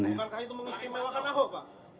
bukankah itu mengistimewakan ahok pak